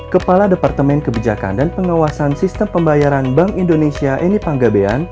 kepala departemen kebijakan dan pengawasan sistem pembayaran bank indonesia eni panggabean